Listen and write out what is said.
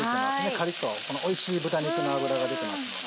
カリっとおいしい豚肉の脂が出てますので。